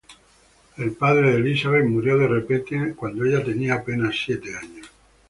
El padre de Elisabeth murió de repente cuando ella tenía apenas siete años.